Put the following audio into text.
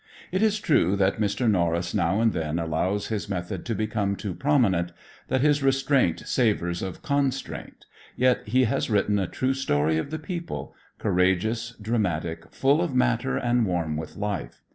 It is true that Mr. Norris now and then allows his "method" to become too prominent, that his restraint savors of constraint, yet he has written a true story of the people, courageous, dramatic, full of matter and warm with life.